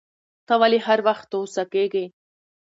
ته ولي هر وخت غوسه کیږی